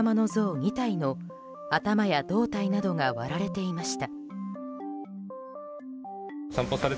２体の頭や胴体などが割られていました。